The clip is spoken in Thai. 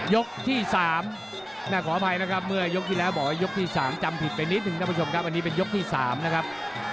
ยกที่๓ขออภัยนะครับเมื่อยกที่แล้วบอกว่ายกที่๓จำผิดไปนิดนึงท่านผู้ชมครับอันนี้เป็นยกที่๓นะครับ